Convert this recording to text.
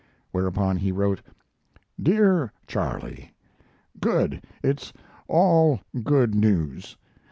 Whereupon he wrote: DEAR CHARLEY, Good it's all good news.